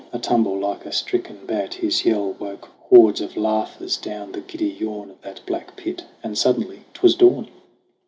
A tumble like a stricken bat, his yell Woke hordes of laughers down the giddy yawn Of that black pit and suddenly 'twas dawn.